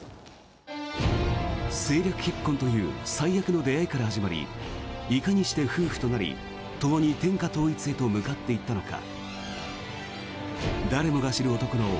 政略結婚という最悪の出会いから始まりいかにして夫婦となりともに天下統一へと向かって行ったのか。